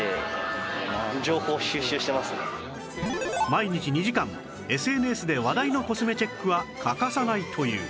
毎日２時間 ＳＮＳ で話題のコスメチェックは欠かさないという